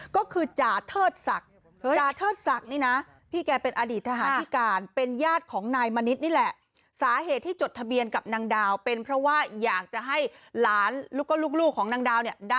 แล้วก็ลูกของนางดาวน์ได้สวัสดีการของรัฐ